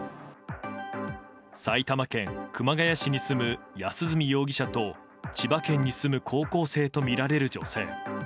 埼玉県熊谷市に住む安栖容疑者と千葉県に住む高校生とみられる女性。